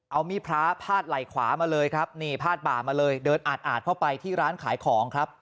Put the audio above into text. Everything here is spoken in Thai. เอามีพระพาดไหล่ขวามาเลยครับนี่พาดบ่ามาเลยเดินอาดเข้าไปที่ร้านขายของครับ